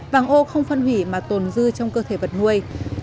vàng ô không phân hủy mà tồn dư trong cơ thể vật nuôi